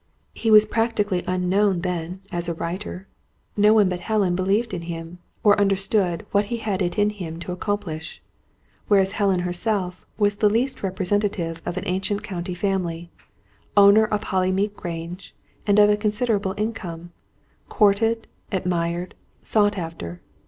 He was practically unknown then, as a writer. No one but Helen believed in him, or understood what he had it in him to accomplish. Whereas Helen herself was the last representative of an ancient County family, owner of Hollymead Grange, and of a considerable income; courted, admired, sought after.